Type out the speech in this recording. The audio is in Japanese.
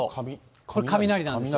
これは雷なんですよ。